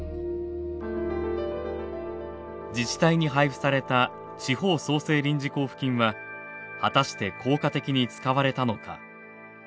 自治体に配布された地方創生臨時交付金は果たして効果的に使われたのか。